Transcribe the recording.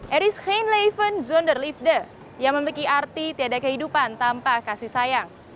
eris heinleven zonderliefde yang memiliki arti tiada kehidupan tanpa kasih sayang